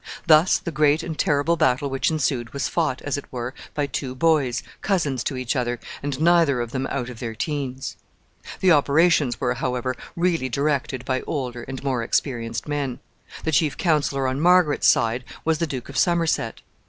Thus the great and terrible battle which ensued was fought, as it were, by two boys, cousins to each other, and neither of them out of their teens. The operations were, however, really directed by older and more experienced men. The chief counselor on Margaret's side was the Duke of Somerset.